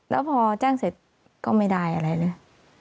แล้วพอแจ้งเสร็จก็ไม่ได้อะไรเลย